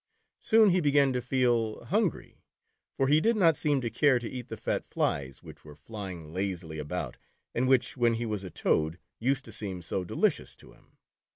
Soon he began to feel hungry, for he did not seem to care to eat the fat flies, which were flying lazily about, and which when he was a Toad, used to seem so delicious to him.